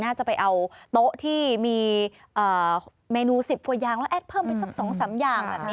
น่าจะไปเอาโต๊ะที่มีเมนู๑๐กว่าอย่างแล้วแอดเพิ่มไปสัก๒๓อย่างแบบนี้